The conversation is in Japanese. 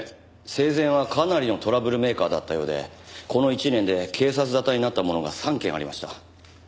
生前はかなりのトラブルメーカーだったようでこの１年で警察沙汰になったものが３件ありました。